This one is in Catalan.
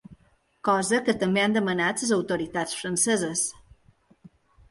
Cosa que també han demanat les autoritats franceses.